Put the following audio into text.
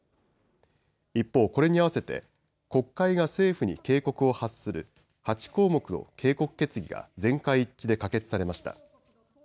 一方、これに合わせて国会が政府に警告を発する８項目の警告決議が全会一致で可決されました。